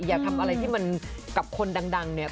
อย่าทำอะไรที่มันกับคนดังเนี่ย